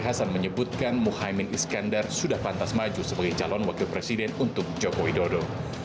hasan menyebutkan muhaymin iskandar sudah pantas maju sebagai calon wakil presiden untuk jokowi dodo